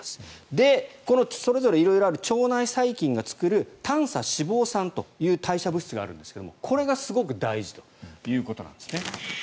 で、それぞれ色々ある腸内細菌が作る短鎖脂肪酸という代謝物質があるんですがこれがすごく大事ということなんです。